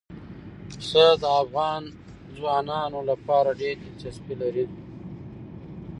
پسه د افغان ځوانانو لپاره ډېره دلچسپي لري.